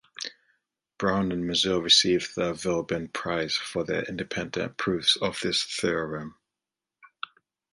Brown and Mazur received the Veblen Prize for their independent proofs of this theorem.